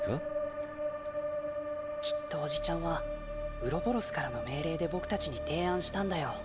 きっとおじちゃんはウロボロスからの命令で僕たちに提案したんだよ。